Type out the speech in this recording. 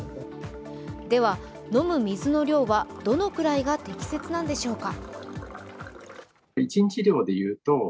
では、飲む水の量はどのくらいが適切なんでしょうか。